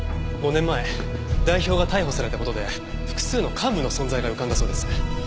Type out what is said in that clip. ５年前代表が逮捕された事で複数の幹部の存在が浮かんだそうです。